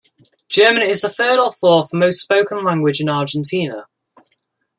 German is the third or fourth most spoken language in Argentina.